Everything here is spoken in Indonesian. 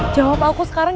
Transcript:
jawab aku sekarang